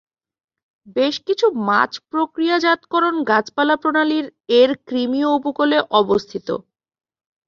বেশ কিছু মাছ-প্রক্রিয়াজাতকরণ গাছপালা প্রণালীর এর ক্রিমীয় উপকূলে অবস্থিত।